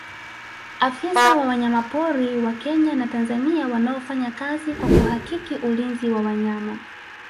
afisa wa wanyamapori wa kenya na tanzania wanaofanya kazi kwa kuhakiki ulinzi wa wanyama